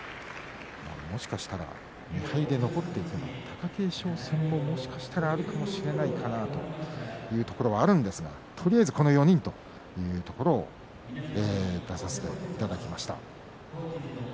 もしかしたら２敗で残っていけば貴景勝戦もあるかもしれないかなというところはあるんですがとりあえずこの４人というところを出させていただきました。